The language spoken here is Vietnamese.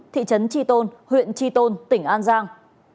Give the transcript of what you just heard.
thị trấn tri tôn huyện tri tôn tỉnh an giang